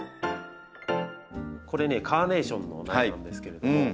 これねカーネーションの苗なんですけれども。